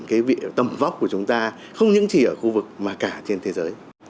cái tầm vóc của chúng ta không những chỉ ở khu vực mà cả trên thế giới